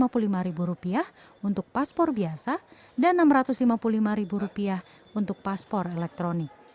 rp lima puluh lima untuk paspor biasa dan rp enam ratus lima puluh lima untuk paspor elektronik